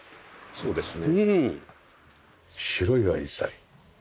そうですね。